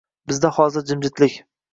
Bizda hozir jimjitlik